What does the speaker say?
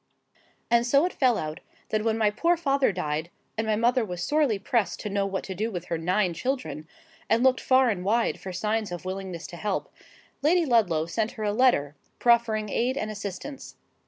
And so it fell out, that when my poor father died, and my mother was sorely pressed to know what to do with her nine children, and looked far and wide for signs of willingness to help, Lady Ludlow sent her a letter, proffering aid and assistance.